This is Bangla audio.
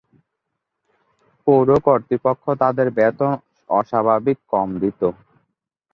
পৌর কর্তৃপক্ষ তাদের বেতন অস্বাভাবিক কম দিত।